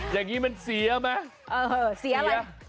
อย่างนี้มันเสียมั้ยเหรอเสียอะไร